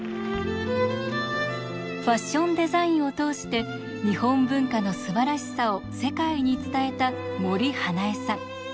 ファッションデザインを通して日本文化のすばらしさを世界に伝えた森英恵さん。